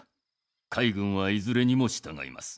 海軍はいずれにも従います。